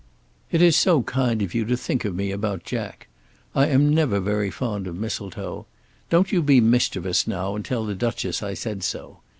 It is so kind of you to think of me about Jack. I am never very fond of Mistletoe. Don't you be mischievous now and tell the Duchess I said so.